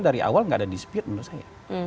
dari awal nggak ada dispute menurut saya